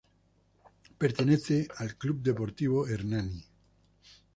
Pertenece al Club Deportivo Hernani.